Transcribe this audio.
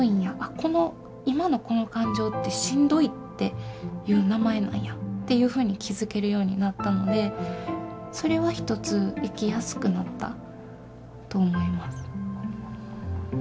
「この今のこの感情ってしんどいっていう名前なんや」っていうふうに気付けるようになったのでそれは一つ生きやすくなったと思います。